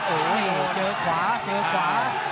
โอ้โหเจอขวาเจอขวา